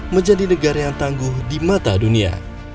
menjadi negara yang tangguh di mata dunia